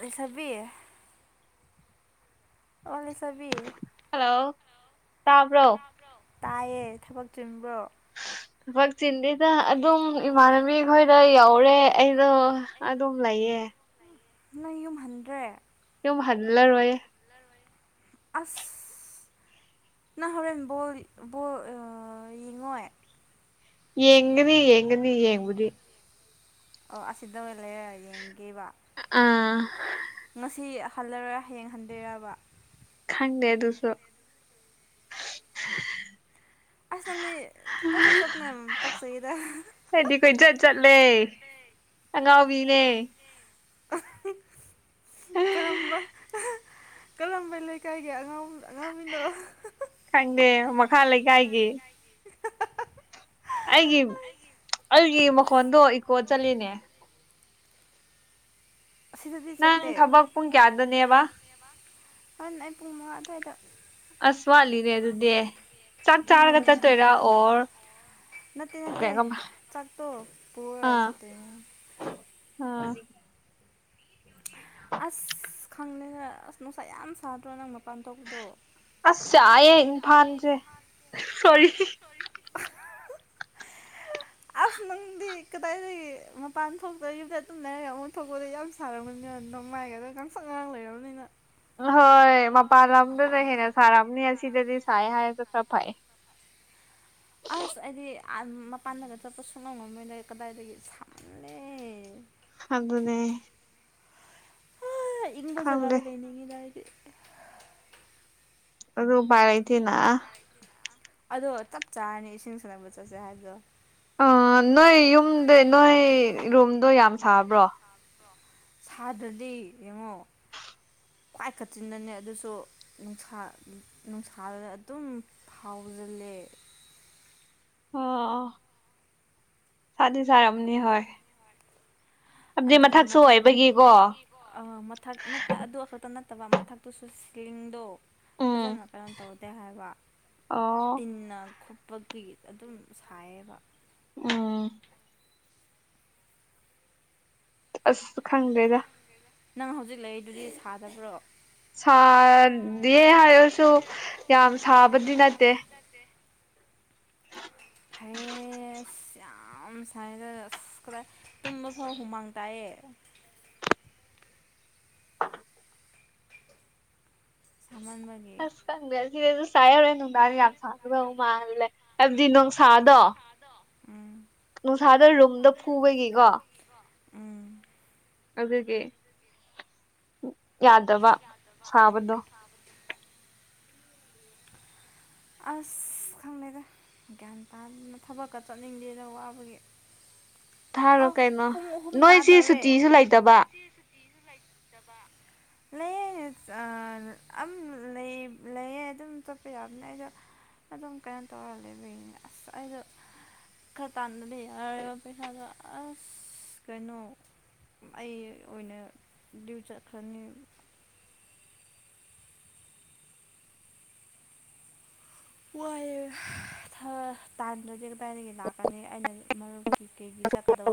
ꯂꯩꯁꯥꯕꯤ ꯑꯣ ꯂꯩꯁꯥꯕꯤ ꯍꯜꯂꯣ ꯇꯥꯕ꯭ꯔꯣ ꯇꯥꯏꯌꯦ ꯊꯕꯛ ꯆꯤꯟꯕ꯭ꯔꯣ ꯊꯕꯛ ꯆꯤꯟꯗꯤꯗ ꯑꯗꯨꯝ ꯏꯃꯥꯟꯅꯕꯤ ꯈꯣꯏꯗ ꯌꯧꯔꯦ ꯑꯩꯗꯣ ꯑꯗꯨꯝ ꯂꯩꯌꯦ ꯅ ꯌꯨꯝꯍꯟꯗ꯭ꯔꯦ ꯌꯨꯝ ꯍꯟꯂꯔꯣꯏ ꯑꯁ ꯅ ꯍꯧꯔꯦꯟ ꯕꯣꯜ ꯕꯣꯜ ꯑꯥꯥ ꯌꯦꯉꯣꯏ ꯌꯦꯡꯒꯅꯤ ꯌꯦꯡꯒꯅꯤ ꯌꯦꯡꯕꯗꯤ ꯑꯣ ꯑꯁꯤꯗ ꯑꯣꯏ ꯂꯩꯔ ꯌꯦꯡꯒꯦꯕ ꯑꯥ ꯉꯁꯤ ꯍꯜꯂꯔꯣꯏ ꯍꯌꯦꯡ ꯍꯟꯗꯣꯏꯔꯕ ꯈꯪꯗꯦ ꯑꯗꯨꯁꯨ ꯑꯁ ꯅꯪꯅꯤ ꯀꯣꯏꯆꯠ ꯆꯠꯄꯅ ꯄꯥꯛꯆꯩꯌꯦꯗ ꯑꯩꯗꯤ ꯀꯣꯏꯆꯠ ꯆꯠꯂꯦ ꯑꯉꯥꯎꯕꯤꯅꯦ ꯀꯔꯝꯕ ꯀꯔꯝꯕ ꯂꯩꯀꯥꯏꯒꯤ ꯑꯉꯥꯎ ꯑꯉꯥꯎꯕꯤꯅꯣ ꯈꯪꯗꯦ ꯃꯈꯥ ꯂꯩꯀꯥꯏꯒꯤ [unintelligible] ꯑꯩꯒꯤ ꯑꯩꯒꯤ ꯃꯈꯣꯟꯗꯣ ꯏꯀꯣ ꯆꯠꯂꯤꯅꯦ ꯑꯁꯤꯗꯗꯤ ꯅꯪ ꯆꯠꯇꯦ ꯊꯕꯛ ꯄꯨꯡ ꯀꯌꯥꯗꯅꯦꯕ ꯍꯔꯦꯜ ꯅꯥꯏ ꯄꯨꯡ ꯃꯉꯥ ꯑꯗꯨꯋꯥꯏꯗ ꯑꯁ ꯋꯥꯠꯂꯤꯅꯦ ꯑꯗꯨꯗꯤ ꯆꯥꯛ ꯆꯥꯔꯒ ꯎꯝ ꯆꯠꯇꯣꯏꯔꯥ ꯑꯣꯔ ꯅꯠꯇꯦ ꯅꯠꯇꯦ ꯀꯩꯅꯣꯝ ꯆꯥꯛ ꯇꯣ ꯄꯨꯔꯒ ꯑꯥ ꯆꯇꯦꯏ ꯑꯥ ꯑꯁ ꯈꯪꯗꯦꯅ ꯑꯁ ꯅꯨꯡꯁꯥ ꯌꯥꯝ ꯁꯥꯗ꯭ꯔꯣ ꯅꯪꯅ ꯄꯥꯟꯊꯣꯛꯄꯗꯣ ꯑꯁ ꯁꯥꯏꯌꯦ ꯏꯝꯐꯥꯟꯁꯦ ꯁꯣꯔꯤ ꯑꯁ ꯅꯪꯗꯤ ꯀꯗꯥꯏꯗꯒꯤ ꯃꯄꯥꯟ ꯊꯣꯛꯇꯕꯗ ꯑꯗꯨꯨꯝꯅ ꯑꯃꯨꯛ ꯊꯣꯛꯄꯗ ꯌꯥꯝ ꯁꯔꯅꯤꯅꯦ ꯑꯗꯨ ꯅꯣꯡ ꯃꯥꯏꯒꯥꯛꯒ ꯈꯪ ꯁꯉꯒꯥꯡ ꯂꯩꯔꯝꯃꯤꯅꯤꯅ ꯍꯣꯏ ꯃꯄꯥꯟ ꯂꯝꯗꯗ ꯍꯦꯟꯅ ꯁꯥꯔꯝꯅꯤ ꯑꯁꯤꯗꯗꯤ ꯁꯥꯏ ꯍꯥꯏꯔꯁꯨ ꯈꯔ ꯐꯩ [inaudible] ꯑꯁ ꯑꯩꯗꯤ ꯃꯄꯥꯟꯗꯒ ꯆꯠꯄ ꯁꯨꯉꯝ ꯃꯣꯏꯗ ꯀꯗꯥꯏꯗꯒꯤ ꯁꯥꯃꯜꯂꯦ ꯑꯗꯨꯅꯦ ꯏꯪꯕ ꯈꯪꯗꯦ ꯖꯒꯥꯗ ꯂꯩꯅꯤꯡꯉꯤꯗ ꯑꯩꯗꯤ ꯑꯗꯨ ꯔꯥꯏꯇꯅ ꯑꯗꯣ ꯆꯞ ꯆꯥꯔꯅꯤ ꯏꯁꯤꯡ ꯁꯛꯅꯕ ꯆꯠꯁꯦ ꯍꯥꯏꯕꯗꯣ ꯑ ꯅꯣꯏ ꯌꯨꯝꯗ ꯅꯣꯏ ꯔꯨꯝꯗꯣ ꯌꯥꯝ ꯁꯥꯕ꯭ꯔꯣ ꯁꯥꯗ꯭ꯔꯗꯤ ꯌꯦꯡꯉꯣ ꯈ꯭ꯋꯥꯏ ꯀꯆꯤꯟꯗꯅꯦ ꯑꯗꯨꯁꯨ ꯅꯨꯡꯁꯥ ꯅꯨꯡꯁꯥꯗ ꯑꯗꯨꯝ ꯐꯥꯎꯖꯜꯂꯦ ꯑꯣ ꯁꯥꯗꯤ ꯁꯥꯔꯝꯅꯤ ꯍꯣꯏ ꯍꯥꯏꯕꯗꯤ ꯑꯗꯨꯒ ꯃꯊꯛꯁꯨ ꯃꯊ ꯑꯣꯏꯕꯒꯤꯀꯣ ꯃꯊꯛ ꯑꯗꯨ ꯑꯁꯨꯛꯇ ꯅꯠꯇꯕ ꯃꯊꯛ ꯇꯨꯁꯁꯤꯡꯗꯣ ꯐꯖꯅ ꯀꯔꯝ ꯇꯧꯗꯦ ꯍꯥꯏꯕ ꯑꯣ ꯇꯤꯟꯅ ꯄꯛꯄꯤ ꯑꯗꯨꯝ ꯁꯥꯏꯌꯦꯕ ꯎ ꯑꯁ ꯈꯪꯗ꯭ꯔꯦꯗ ꯅꯪ ꯍꯧꯖꯤꯛ ꯂꯩꯔꯤꯗꯨꯗꯤ ꯁꯥꯗꯕ꯭ꯔꯣ ꯁꯥꯗꯦ ꯍꯥꯏꯔꯁꯨ ꯌꯥꯝ ꯁꯥꯕꯗꯤ ꯅꯠꯇꯦ ꯐꯩꯌꯦ ꯑꯦꯁ ꯌꯥꯝ ꯁꯥꯏꯅꯔ ꯑꯁ ꯈꯔ ꯇꯨꯝꯕ ꯐꯥꯎ ꯍꯨꯃꯥꯡ ꯇꯥꯏꯑꯌꯦ [unintelligible] ꯊꯃꯟꯕꯒꯤ ꯑꯁ ꯈꯪꯗ꯭ꯔꯦ ꯁꯤꯗꯤ ꯑꯗꯨ ꯆꯥꯏꯔꯣꯏ ꯅꯨꯡꯗꯥꯡ ꯌꯥꯝ ꯁꯥꯡꯗ ꯃꯥꯥꯡꯂꯂꯦ ꯍꯥꯏꯕꯗꯤ ꯅꯨꯡꯁꯥꯗꯣ ꯎꯝ ꯅꯨꯡꯁꯥꯗ ꯔꯨꯝꯗ ꯐꯨꯕꯒꯤꯀꯣ ꯎꯝ ꯑꯗꯨꯒꯤ ꯌꯥꯗꯕ ꯁꯥꯕꯗꯣ ꯑꯁ ꯈꯪꯗꯦꯗ ꯒ꯭ꯌꯥꯟ ꯇꯥꯗꯅ ꯊꯕꯛꯀ ꯆꯠꯅꯤꯡꯗꯦꯅ ꯋꯥꯕꯒꯤ ꯊꯥꯔꯣ ꯑꯧ ꯀꯩꯅꯣ ꯄꯨꯡ ꯑꯍꯨꯝ ꯅꯣꯏꯁꯤ ꯇꯥꯗꯧꯔꯦ ꯁꯨꯇꯤꯁꯨ ꯂꯩꯇꯕ ꯆꯕ ꯂꯩꯑ ꯂꯩꯌꯦ ꯑꯗꯨꯝ ꯆꯠꯄ ꯌꯥꯕꯅꯦ ꯑꯩꯗꯣ ꯑꯗꯨꯝ ꯀꯩꯅꯣ ꯇꯧꯔ ꯂꯩꯕꯅꯦ ꯑꯁ ꯑꯩꯗꯣ ꯈꯔ ꯇꯥꯟꯥꯟꯕꯗ ꯌꯥꯔꯔꯤꯕ ꯄꯩꯁꯥꯗꯣ ꯑꯁ ꯀꯩꯅꯣ ꯑꯩ ꯑꯣꯏꯅ ꯗ꯭ꯌꯨ ꯆꯠꯈ꯭ꯔꯅꯤ ꯋꯨ꯭ꯏꯌꯦ ꯊꯔ ꯇꯥꯜꯗ꯭ꯔꯗꯤ ꯀꯥꯏꯗꯒꯤ ꯂꯥꯛꯀꯅꯤ ꯑꯩꯅ ꯃꯔꯨꯞꯀꯤ ꯀꯩꯒꯤ ꯆꯠꯀꯗꯕ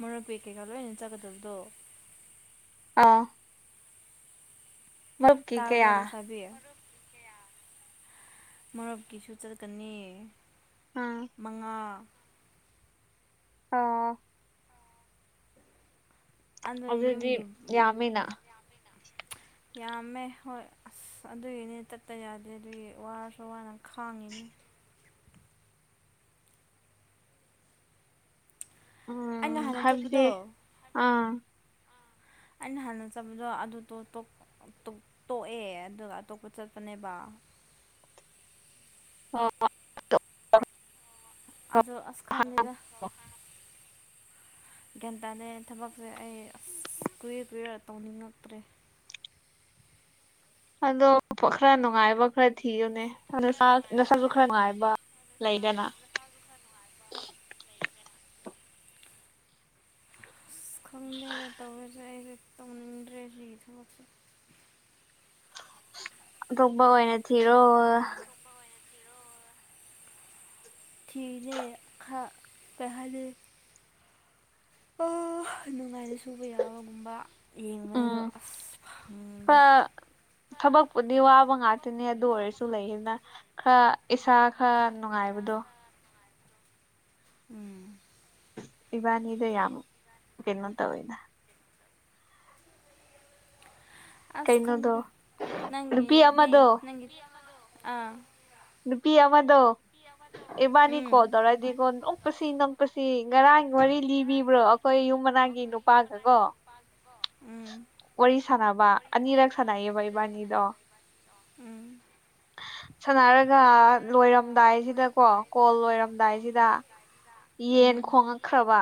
ꯃꯔꯨꯞꯀꯤ ꯀꯩꯀꯥ ꯂꯣꯏꯅ ꯆꯠꯒꯗꯕꯗꯣ ꯑꯥ ꯃꯔꯨꯞꯀꯤ ꯇꯥꯕ꯭ꯔꯣ ꯀꯌꯥ ꯂꯩꯁꯕꯤ ꯃꯔꯨꯞꯀꯤꯁꯨ ꯆꯠꯀꯅꯤ ꯎꯝ ꯃꯉꯥ ꯑꯥ ꯑꯗꯨ ꯌꯨꯝꯒꯤ ꯃꯤꯅ ꯌꯥꯝꯃꯦ ꯍꯣꯏ ꯑꯁ ꯑꯗꯨꯒꯤꯅꯦ ꯆꯠꯇ ꯌꯥꯗꯦ ꯑꯗꯨꯒꯤ ꯋꯥꯔꯁꯨ ꯋꯥꯅ ꯈꯥꯡꯉꯤꯅꯤ ꯑꯩꯅ ꯎꯝ ꯍꯥꯟꯅ ꯍꯥꯏꯕꯗꯤ ꯆꯠꯄꯗꯣ ꯑꯥ ꯑꯩꯅ ꯍꯥꯟꯅ ꯆꯠꯄꯗꯣ ꯑꯗꯨꯗꯣ ꯇꯣꯛ ꯇꯣꯛ ꯇꯣꯛꯑꯦ ꯑꯗꯨꯒ ꯑꯇꯣꯞꯄ ꯆꯠꯄꯅꯦꯕ [unintelligible] ꯑꯗꯣ ꯑꯁ ꯈꯪꯗꯦꯗ ꯒ꯭ꯌꯥꯟ ꯇꯥꯗꯦ ꯊꯕꯛꯁꯦ ꯑꯩ ꯑꯁ ꯀꯨꯏꯌꯡꯔ ꯀꯨꯏꯔ ꯇꯧꯅꯤꯡꯉꯛꯇ꯭ꯔꯦ ꯑꯗꯣ ꯈꯔ ꯅꯨꯡꯉꯥꯏꯕ ꯈꯔ ꯊꯤꯌꯨꯅꯦ ꯑ ꯅꯁꯥꯁꯨ ꯈꯔ ꯅꯨꯡꯉꯥꯏꯕ ꯂꯩꯗꯅ ꯅꯁꯥꯁꯨ ꯈꯔ ꯅꯨꯡꯉꯥꯏꯕ ꯑꯁ ꯈꯪꯗꯦꯅ ꯇꯧꯔꯤꯁꯦ ꯑꯩꯁꯦ ꯇꯧꯅꯤꯡꯗ꯭ꯔꯦ ꯁꯤꯒꯤ ꯊꯕꯛꯁꯦ ꯑꯇꯣꯞꯄ ꯑꯣꯏꯅ ꯊꯤꯔꯣ ꯑꯇꯣꯞꯄ ꯑꯣꯏꯅ ꯊꯤꯔꯣ ꯊꯤꯔꯤꯅꯦ ꯈꯔ ꯀꯩ ꯍꯥꯏꯗꯣꯏꯅꯣ ꯅꯨꯡꯉꯥꯏꯅ ꯁꯨꯕ ꯌꯥꯕꯒꯨꯝꯕ ꯌꯦꯡꯕꯅꯤꯗꯣ ꯎꯝ ꯑꯁ ꯐꯪꯗꯦ ꯈꯔ ꯊꯕꯛꯄꯨꯗꯤ ꯋꯥꯕ ꯉꯥꯛꯇꯅꯦ ꯑꯗꯨ ꯑꯣꯏꯔꯁꯨ ꯂꯩꯌꯦꯅ ꯈꯔ ꯏꯁꯥ ꯈꯔ ꯅꯨꯡꯉꯥꯏꯕꯗꯣ ꯎꯝ ꯏꯕꯥꯅꯤꯗ ꯌꯥꯝ ꯀꯩꯅꯣ ꯇꯧꯋꯤꯗ ꯑꯁ ꯀꯩꯅꯣꯗꯣ ꯈꯪꯗꯦꯗ ꯅꯨꯄꯤ ꯅꯪꯒꯤꯗꯤ ꯑꯃꯗꯣ ꯅꯪꯒꯤ ꯑꯥ ꯅꯨꯄꯤ ꯑꯃꯗꯣ ꯏꯕꯥꯅꯤ ꯎꯝ ꯀꯣꯜ ꯇꯧꯔꯗꯤꯀꯣ ꯅꯣꯛꯄꯁꯤ ꯅꯣꯛꯄꯁꯤ ꯉꯔꯥꯡ ꯋꯥꯔꯤ ꯂꯤꯕꯤꯕ꯭ꯔꯣ ꯑꯩꯈꯣꯏ ꯌꯨꯝ ꯃꯅꯥꯛꯀꯤ ꯅꯨꯄꯥꯗꯀꯣ ꯎꯝ ꯋꯥꯔꯤ ꯁꯥꯟꯅꯕ ꯑꯅꯤꯔꯛ ꯁꯥꯟꯅꯩꯌꯦꯕ ꯏꯕꯥꯅꯤꯗꯣ [unintelligible] ꯁꯥꯟꯅꯔꯒ ꯂꯣꯏꯔꯝꯗꯥꯏꯖꯤꯗꯀꯣ ꯀꯣꯜ ꯂꯣꯏꯔꯝꯗꯥꯏꯖꯤꯗ ꯌꯦꯟ ꯎꯝ ꯈꯣꯡꯉꯛꯈ꯭ꯔꯕ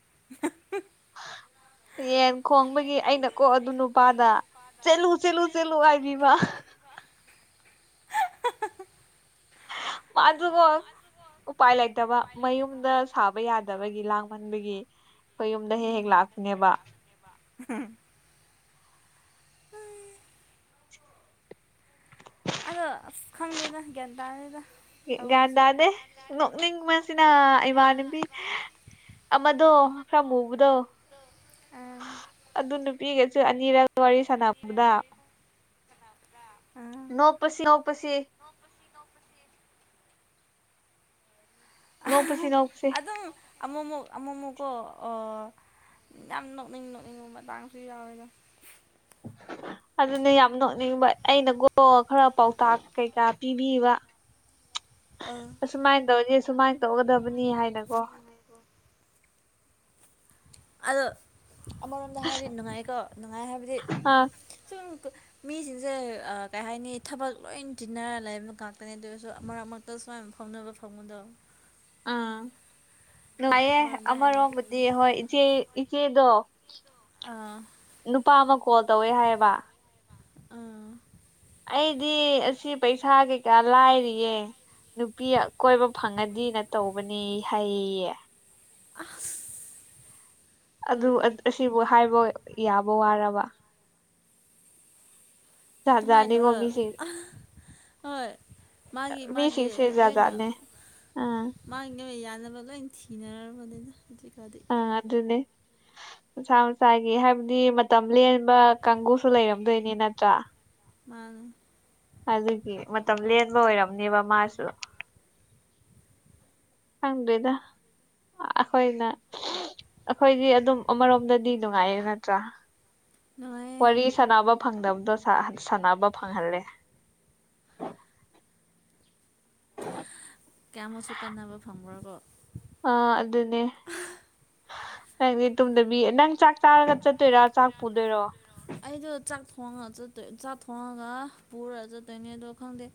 [unintelligible] ꯌꯦꯟ ꯈꯣꯡꯕꯒꯤ ꯑꯩꯅꯀꯣ ꯑꯗꯨ ꯅꯨꯄꯥꯗ ꯆꯦꯜꯂꯨ ꯆꯦꯜꯂꯨ ꯆꯦꯜꯂꯨ ꯍꯥꯏꯕꯤꯕ ꯃꯖꯨꯀꯣ ꯎꯄꯥꯏ ꯂꯩꯇꯕ ꯃꯌꯨꯝꯗ ꯁꯥꯕ ꯌꯥꯗꯕꯒꯤ ꯂꯥꯡꯃꯟꯕꯒꯤ ꯑꯩꯈꯣꯏ ꯌꯨꯝꯗ ꯍꯦꯛ ꯍꯦꯛ ꯂꯥꯛꯄꯅꯦꯕ [unintelligible] ꯑꯗꯣ ꯑꯁ ꯈꯪꯗꯦꯗ ꯒ꯭ꯌꯥꯟ ꯇꯥꯗꯦꯗ ꯒꯌꯥꯟ ꯇꯧꯔꯤꯁꯦ ꯇꯥꯗꯦ ꯅꯣꯛꯅꯤꯡꯕꯁꯤꯅ ꯏꯕꯥꯅꯤ ꯃꯤ ꯑꯃꯗꯣ ꯈꯔ ꯑꯃꯨꯕꯗꯣ ꯑꯥ ꯑꯗꯨ ꯅꯨꯄꯤꯒꯁꯨ ꯑꯅꯤꯔꯛ ꯋꯥꯔꯤ ꯁꯥꯟꯅꯕ [unintelligible] ꯋꯥꯔꯤ ꯁꯅꯕꯗꯗ ꯅꯣꯛꯄꯁꯤ ꯅꯣꯛꯄꯁꯤ ꯅꯣꯛꯄꯁꯤ ꯅꯣꯛꯄꯁꯤ ꯑꯗꯨꯝ ꯑꯃꯃꯨꯛ ꯑꯃꯃꯨꯛꯀꯣ ꯑꯥ ꯌꯥꯝ ꯅꯣꯛꯅꯤꯡ ꯅꯣꯛꯅꯤꯡꯕ ꯃꯇꯥꯡꯁꯨ ꯌꯥꯎꯋꯦꯗ [inaudible] ꯑꯗꯨꯅꯦ ꯌꯥꯝ ꯅꯣꯛꯅꯤꯡꯕ ꯑꯩꯅꯒꯣ ꯈꯔ ꯄꯥꯎꯇꯥꯛ ꯀꯩꯀꯥ ꯄꯤꯕꯤꯕ ꯑꯥ ꯁꯨꯃꯥꯏꯅ ꯇꯧꯔꯗꯤ ꯁꯨꯃꯥꯏꯅ ꯇꯧꯒꯗꯕꯅꯤ ꯍꯥꯏꯅꯀꯣ ꯑꯗꯣ ꯑꯃꯔꯣꯝꯗ ꯍꯥꯏꯔꯗꯤ ꯅꯨꯡꯉꯥꯏꯀꯣ ꯅꯨꯡꯉꯥꯏ ꯍꯥꯏꯕꯗꯤ ꯑꯥ ꯁꯨꯝ ꯃꯤꯁꯤꯡꯁꯦ ꯀꯩ ꯍꯥꯏꯅꯤ ꯊꯕꯛ ꯂꯣꯏ ꯇꯤꯟꯅꯔ ꯂꯩꯕ ꯉꯥꯛꯇꯅꯦ ꯑꯗꯨ ꯑꯣꯏꯔꯁꯨ ꯑꯔꯛ ꯑꯔꯛ ꯑ ꯁꯨꯃꯥꯏ ꯐꯥꯎꯅꯕ ꯐꯪꯒꯗꯣ ꯑꯥ ꯅꯨꯉꯥꯏꯑꯦ ꯑꯃꯔꯣꯝꯗ ꯍꯥꯏꯔꯗꯤ ꯑꯃꯔꯣꯝꯗꯗꯤ ꯍꯣꯏ ꯏꯆꯦ ꯏꯆꯦꯗꯣ ꯑꯥ ꯅꯨꯄꯥ ꯑꯃ ꯀꯣꯜ ꯇꯧꯋꯦ ꯍꯥꯏꯌꯦꯕ ꯑꯥ ꯑꯩꯗꯤ ꯑꯁꯤ ꯄꯩꯁꯥ ꯀꯩꯀꯥ ꯂꯥꯏꯔꯤꯌꯦ ꯅꯨꯄꯤ ꯑꯀꯣꯏꯕ ꯐꯪꯉꯗꯤꯅ ꯇꯧꯕꯅꯤ ꯍꯥꯏꯌꯦꯌꯦ ꯑꯁ ꯑꯗꯨ ꯂꯣꯏꯔꯦ ꯑꯁꯤꯕꯨ ꯍꯥꯏꯕ ꯌꯥꯕ ꯋꯥꯔꯕ ꯖꯥꯠ ꯑꯗꯨꯃꯥꯏ ꯖꯥꯠꯅꯤꯀꯣ ꯇꯧꯔꯒ ꯃꯤꯁꯤꯡ ꯑꯥ ꯍꯣꯏ ꯃꯥꯒꯤ ꯃꯥꯒꯤ ꯃꯤꯁꯤꯡꯁꯦ ꯖꯥꯠ ꯂꯣꯏꯅ ꯖꯥꯠꯅꯦ ꯑꯥ ꯃꯥꯒꯤ ꯌꯥꯅꯕ ꯂꯣꯏ ꯊꯤꯅꯔꯕꯅꯤꯗ ꯍꯧꯖꯤꯛꯀꯥꯟꯗꯤ ꯑꯥ ꯑꯗꯨꯅꯦ ꯃꯁꯥ ꯃꯁꯥꯒꯤ ꯍꯥꯏꯕꯗꯤ ꯃꯇꯝ ꯂꯦꯟ ꯀꯥꯡꯒꯨꯁꯨ ꯂꯩꯔꯝꯗꯣꯏꯅꯤ ꯅꯠꯇ꯭ꯔꯥ ꯃꯥꯥꯅꯦ ꯑꯗꯨꯒꯤ ꯃꯇꯝ ꯂꯦꯟꯕ ꯑꯣꯏꯔꯝꯅꯦꯕ ꯃꯥꯁꯨ ꯈꯪꯗꯔꯦꯗ ꯑꯩꯈꯣꯏꯅ ꯑꯩꯈꯣꯏꯗꯤ ꯑꯗꯨꯝ ꯑꯃꯔꯣꯝꯗꯗꯤ ꯅꯨꯡꯉꯥꯏꯌꯦ ꯅꯠꯇ꯭ꯔꯥ ꯅꯨꯡꯉꯥꯏꯌꯦ ꯋꯥꯔꯤ ꯁꯥꯟꯅꯕ ꯐꯪꯗꯕꯗꯣ ꯁꯥꯟꯅꯕ ꯐꯪꯍꯜꯂꯦ ꯀꯌꯥꯃꯨꯛꯁꯨ ꯀꯥꯟꯅꯕ ꯐꯪꯕ꯭ꯔ ꯀꯣ ꯑꯥ ꯑꯗꯨꯅꯦ ꯅꯪꯗꯤ ꯇꯨꯡꯗꯕꯤ ꯅꯪ ꯆꯥꯛ ꯆꯥꯔꯒ ꯆꯠꯇꯣꯏꯔꯥ ꯆꯥꯛ ꯄꯨꯗꯣꯏꯔꯣ ꯑꯩꯗꯣ ꯆꯥꯛ ꯊꯣꯡꯉ ꯆꯠꯇꯣꯏ ꯆꯥꯛ ꯊꯣꯡꯉꯒ ꯄꯨꯔꯒ ꯆꯠꯇꯣꯏꯅꯦ ꯑꯗꯣ ꯈꯪꯗꯦ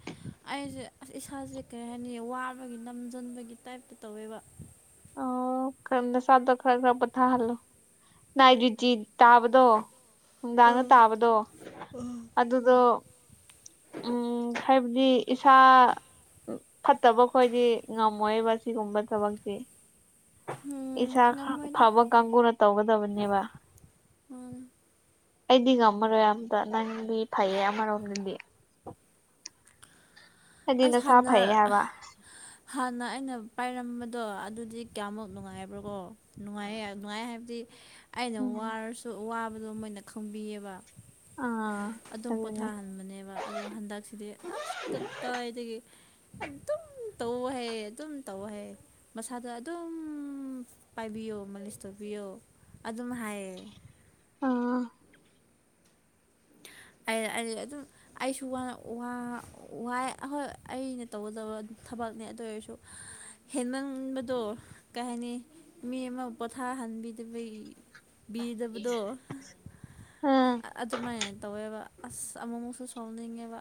ꯑꯩꯁꯦ ꯑꯁ ꯏꯁꯥꯁꯦ ꯀꯔꯤ ꯍꯥꯏꯅꯤ ꯋꯥꯕꯒꯤ ꯅꯝꯁꯤꯟꯕꯒꯤ ꯇꯥꯏꯞꯇ ꯇꯧꯋꯦꯕ ꯈꯔꯗ ꯁꯥꯗ ꯈꯔ ꯈꯔ ꯄꯣꯊꯥ ꯍꯜꯂꯣ ꯅꯥꯢꯠ ꯗꯨꯇꯤ ꯇꯥꯕꯗꯣ ꯅꯨꯡꯗꯥꯡꯗ ꯑꯥ ꯇꯥꯕꯗꯣ ꯑꯥ ꯑꯗꯨꯗꯣ ꯎꯝ ꯍꯥꯏꯕꯗꯤ ꯏꯁꯥ ꯎꯝ ꯐꯠꯇꯕ ꯈꯣꯏꯗꯤ ꯉꯝꯃꯣꯏꯕ ꯁꯤꯒꯨꯝꯕ ꯊꯕꯛꯇꯤ ꯎꯝ ꯏꯁꯥ ꯉꯝꯃꯣꯏꯗ ꯐꯕ ꯀꯥꯡꯕꯨꯅ ꯇꯧꯒꯗꯕꯅꯦꯕ ꯃꯥꯅꯦ ꯑꯩꯗꯤ ꯉꯝꯃꯔꯣꯏ ꯑꯝꯇ ꯅꯪꯗꯤ ꯐꯩꯌꯦ ꯑꯃꯔꯣꯝꯗꯗꯤ ꯍꯥꯏꯗꯤ ꯑꯁ ꯅꯁꯥ ꯍꯥꯟꯅ ꯐꯩꯌꯦ ꯍꯥꯏꯕ ꯍꯥꯟꯅ ꯑꯩꯅ ꯄꯥꯏꯔꯝꯕꯗꯣ ꯑꯗꯨꯗꯤ ꯀꯌꯥꯃꯨꯛ ꯅꯨꯡꯉꯥꯏꯕ꯭ꯔꯣꯀꯣ ꯅꯨꯡꯉꯥꯏ ꯅꯨꯡꯉꯥꯏ ꯍꯥꯏꯕꯗꯤ ꯑꯩꯅ ꯎꯝ ꯋꯥꯔꯁꯨ ꯋꯥꯕꯗꯣ ꯃꯣꯏꯅ ꯈꯪꯕꯤꯌꯦꯕ ꯑꯥ ꯑꯗꯨꯝ ꯑꯗꯨꯅꯦ ꯄꯣꯊꯥꯍꯟꯕꯅꯦꯕ ꯑꯗꯣ ꯍꯟꯗꯛꯁꯤꯗꯤ ꯑꯁ ꯀꯇꯥꯏꯗꯒꯤ ꯑꯗꯨꯝ ꯇꯧꯋꯣ ꯍꯥꯌꯦ ꯑꯗꯨꯝ ꯇꯧ ꯍꯦ ꯃꯁꯥꯗꯣ ꯑꯗꯨꯝ ꯄꯥꯏꯕꯤꯌꯣ ꯃꯥꯂꯤꯁ ꯇꯧꯕꯤꯌꯣ ꯑꯗꯨꯝ ꯍꯥꯏꯌꯦ ꯑꯥ ꯑꯗꯨꯝ ꯑꯩꯁꯨ ꯋꯥ ꯋꯥꯏ ꯑꯩꯅ ꯇꯧꯒꯗꯕ ꯊꯕꯛꯅꯦ ꯑꯗꯨ ꯑꯣꯏꯔꯁꯨ ꯍꯦꯟꯃꯟꯕꯗꯣ ꯀꯩ ꯍꯥꯏꯅꯤ ꯃꯤ ꯑꯃ ꯄꯣꯊꯥꯍꯟꯕꯤꯗꯕꯩ ꯕꯤꯗꯕꯗꯣ ꯑꯥ ꯑꯗꯨꯃꯥꯏꯅ ꯇꯧꯋꯦꯕ ꯑꯁ ꯑꯃꯨꯃꯨꯛꯁꯨ ꯁꯥꯎꯅꯤꯡꯉꯦꯕ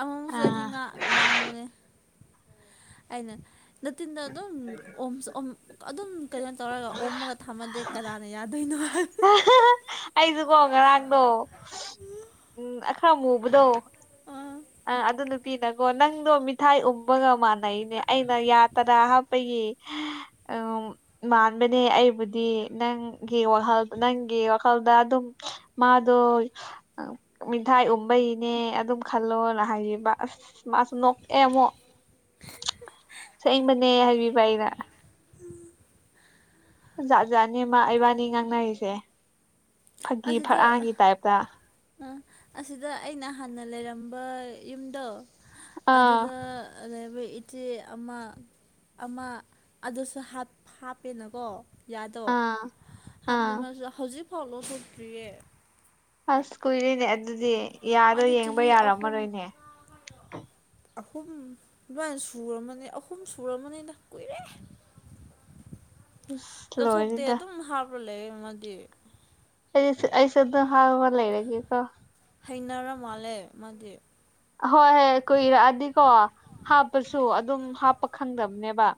ꯑꯃꯨꯃꯨꯛꯁꯨꯑꯩꯗꯤ ꯑꯥ ꯉꯥꯡ ꯉꯥꯡꯕꯅꯦ ꯑꯩꯅ ꯅꯇꯤꯟꯗꯣ ꯑꯗꯨꯝ ꯑꯣ ꯑꯗꯨꯝ ꯀꯩꯅꯣ ꯇꯧꯔꯒ ꯑꯣꯝꯃꯒ ꯊꯝꯃꯗꯤ ꯀꯅꯥꯅ ꯌꯥꯗꯣꯏꯅꯣ ꯑꯩꯁꯨꯀꯣ ꯉꯔꯥꯡꯗꯣ ꯎꯝ ꯑꯈꯔ ꯃꯨꯕꯗꯣ ꯑꯥ ꯑ ꯑꯗꯨ ꯅꯨꯄꯤꯅꯀꯣ ꯅꯪꯗꯣ ꯃꯤꯊꯥꯏ ꯎꯨꯝꯕꯒ ꯃꯥꯟꯅꯩꯅꯦ ꯑꯩꯅ ꯌꯥꯇꯔꯥ ꯄꯒꯤ ꯎ ꯃꯥꯟꯕꯅꯦ ꯑꯩꯕꯨꯗꯤ ꯅꯪꯒꯤ ꯋꯥꯍꯜ ꯅꯪꯒꯤ ꯋꯥꯈꯜꯗ ꯑꯗꯨꯝ ꯃꯥꯗꯣ ꯃꯤꯡꯊꯥꯏ ꯎꯕꯩꯅꯦ ꯑꯗꯨꯝ ꯈꯜꯂꯣꯅ ꯍꯥꯏꯔꯤꯕ ꯑꯁ ꯃꯥꯁꯨ ꯅꯣꯛꯑꯦ ꯑꯃꯨꯛ ꯎꯝ ꯁꯦꯡꯕꯅꯦ ꯍꯥꯏꯕꯤꯕ ꯑꯩꯅ ꯎꯝ ꯖꯥꯠ ꯖꯥꯠꯅꯦ ꯃꯥ ꯏꯕꯥꯅꯤ ꯉꯥꯡꯅꯔꯤꯁꯦ ꯐꯥꯒꯤ ꯑꯁꯗ ꯐꯔꯥꯡꯒꯤ ꯇꯥꯏꯞꯇ ꯑꯁꯤꯗ ꯑꯩꯅ ꯍꯥꯟꯅ ꯂꯩꯔꯝꯕ ꯌꯨꯝꯗꯣ ꯑꯥ ꯑꯗꯨꯗ ꯂꯩꯔꯝꯕ ꯏꯆꯦ ꯑꯃ ꯑꯃ ꯑꯗꯨꯁꯨ ꯍꯥꯞꯄꯦꯅꯀꯣ ꯌꯥꯗꯣ ꯑꯥ ꯍꯥꯞꯂꯥ ꯑꯥ ꯃꯁꯨ ꯍꯧꯖꯤꯛꯐꯥꯎ ꯂꯧꯊꯣꯛꯇ꯭ꯔꯤꯌꯦ ꯑꯁ ꯀꯨꯏꯔꯤꯅꯦ ꯑꯗꯨꯗꯤ ꯌꯥꯗꯣ ꯃꯥꯗꯤ ꯌꯦꯡꯕ ꯆꯍꯤ ꯑꯍꯨꯝ ꯌꯥꯔꯝꯃꯔꯣꯏꯅꯦ ꯑꯍꯨꯝ ꯑꯗꯨꯃꯥꯏꯅ ꯁꯔꯕꯅꯤ ꯑꯍꯨꯝ ꯁꯨꯔꯔꯕꯅꯤꯗ ꯀꯨꯏꯔꯦ ꯑꯁ ꯂꯧꯊꯣꯛꯇꯦ ꯂꯣꯏꯔꯦꯗ ꯑꯗꯨꯝ ꯍꯥꯞꯄ ꯂꯩꯌꯦ ꯃꯗꯤ ꯑꯩ ꯑꯩꯁꯨ ꯑꯗꯨꯝ ꯍꯥꯞꯄ ꯂꯩꯔꯒꯦꯀꯣ ꯍꯩꯅꯔ ꯃꯥꯜꯂꯦ ꯃꯥꯗꯤ ꯑꯍꯣꯏ ꯍꯣꯏ ꯀꯨꯏꯔꯛꯑꯗꯤꯀꯣ ꯍꯥꯞꯄꯁꯨ ꯑꯗꯨꯝ ꯍꯥꯞꯄ ꯈꯪꯗꯕꯅꯦꯕ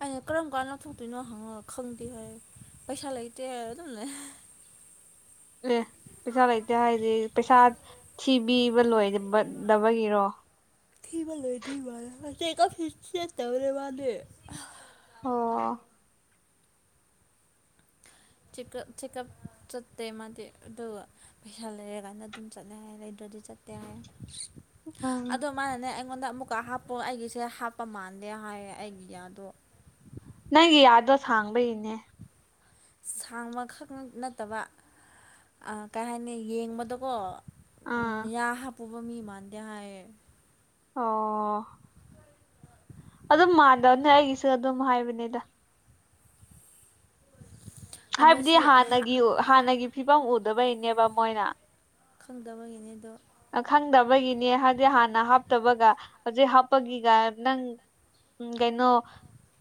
ꯑꯩꯅ ꯀꯔꯝ ꯀꯥꯟ ꯂꯧꯥꯎꯊꯣꯛꯇꯣꯏꯅꯣ ꯍꯪꯉꯒ ꯈꯪꯗꯦ ꯍꯥꯏ ꯄꯩꯁꯥ ꯂꯩꯇꯦ ꯍꯥꯏꯔꯒ ꯑꯗꯨꯝ ꯂꯩ ꯑꯦ ꯄꯩꯁꯥ ꯂꯩꯇꯦ ꯍꯥꯏꯗꯤ ꯄꯩꯁꯥ ꯊꯤꯕꯤꯕ ꯂꯣꯏꯗꯕꯒꯤꯔꯣ ꯊꯕ ꯂꯧꯏꯗ꯭ꯔꯤ ꯃꯥꯜꯂꯦ [unintelligible] ꯃꯥꯗꯤ ꯑꯣ ꯆꯤꯀꯞ ꯆꯤꯀꯞ ꯆꯠꯇꯦ ꯃꯥꯗꯤꯗꯕ ꯑꯗꯨꯒ ꯄꯩꯁꯥ ꯂꯩꯔꯀꯥꯟꯗ ꯑꯗꯨꯝ ꯆꯠꯂꯦ ꯂꯩꯗ꯭ꯔꯗꯤ ꯆꯠꯇꯦ ꯍꯥꯏ ꯎꯝ ꯑꯗꯨ ꯃꯥꯅꯅꯦ ꯑꯩꯉꯣꯟꯗ ꯑꯃꯨꯛꯀ ꯍꯥꯞꯄꯨ ꯑꯩꯒꯤꯁꯦ ꯍꯥꯞꯄ ꯃꯥꯟꯗꯦ ꯍꯥꯏꯌꯦ ꯑꯩꯒꯤ ꯌꯥꯗꯣ ꯅꯪꯒꯤ ꯌꯥꯗꯣ ꯁꯥꯡꯕꯒꯤꯅꯦ ꯁꯥꯡꯕꯈꯛ ꯅꯠꯇꯕ ꯀꯩ ꯍꯥꯏꯅꯤ ꯌꯦꯡꯕꯗꯀꯣ ꯎꯝ ꯑꯥ ꯌꯥ ꯍꯥꯞꯄꯨꯕ ꯃꯤ ꯃꯥꯟꯗꯦ ꯍꯥꯏꯦ ꯑꯣ ꯑꯗꯨꯝ ꯃꯥꯟꯗ꯭ꯔꯅꯦ ꯑꯩꯒꯤꯁꯨ ꯑꯗꯨꯝ ꯍꯥꯏꯕꯅꯤꯗ ꯑꯗꯣ ꯍꯥꯏꯕꯗꯤ ꯁꯤ ꯍꯥꯟꯅꯒꯤ ꯍꯥꯟꯅꯒꯤ ꯐꯤꯕꯝ ꯎꯗꯕꯩꯅꯦꯕ ꯃꯣꯏꯅ ꯈꯪꯗꯕꯒꯤꯅꯤ ꯑꯗꯣ ꯑꯈꯪꯗꯕꯒꯤꯅꯤ ꯍꯥꯏꯕꯗꯤ ꯍꯥꯟꯅ ꯍꯥꯞꯇꯕꯒ ꯍꯧꯖꯤꯛ ꯍꯥꯞꯄꯒꯤꯒ ꯅꯪ ꯒꯩꯅꯣ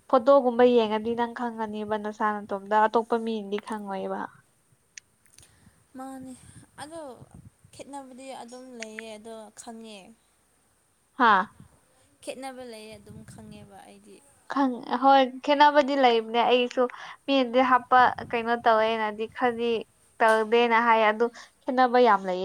ꯐꯣꯇꯣꯒꯨꯝꯕ ꯌꯦꯡꯉꯗꯤ ꯅꯪ ꯈꯪꯉꯅꯦꯕ ꯅꯁꯥ ꯅꯇꯣꯝꯇ ꯑꯇꯣꯞꯄ ꯃꯤꯅꯗꯤ ꯈꯪꯉꯣꯏꯕ ꯃꯥꯅꯦ ꯑꯗꯣ ꯈꯦꯠꯅꯕꯗꯤ ꯑꯗꯨꯝ ꯂꯩꯌꯦ ꯑꯗꯣ ꯈꯪꯉꯦ [inaudible] ꯍꯥ ꯈꯦꯠꯅꯕ ꯂꯩꯌꯦ ꯑꯗꯨꯝ ꯈꯪꯉꯦꯕ ꯑꯩꯗꯤ ꯈꯪ ꯑꯍꯣꯏ ꯈꯦꯠꯅꯕꯗꯤ ꯂꯩꯕꯅꯦ ꯑꯩꯁꯨ ꯃꯤꯅꯗꯤ ꯍꯥꯞꯄ ꯀꯩꯅꯣ ꯇꯧꯋꯦꯅꯗꯤ ꯈꯗꯤ ꯇꯧꯗꯦꯅ ꯍꯥꯏ ꯑꯗꯨ ꯈꯦꯠꯅꯕ ꯌꯥꯝ ꯂꯩꯌꯦ